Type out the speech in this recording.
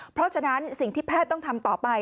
เพราะฉะนั้นสิ่งที่แพทย์ต้องทำต่อไป